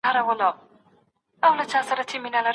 ایا ستا په اند د خبرو لپاره ناوخته ده؟